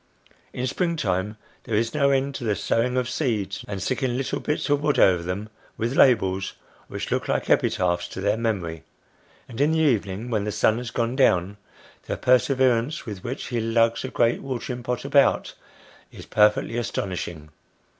In spring time, there is no end to the sowing of seeds, and sticking little bits of wood over them, with labels, which look like epitaphs to their memory ; and in the evening, when the sun has gone down, the perseverance with which he lugs a great watering pot about is perfectly astonishing.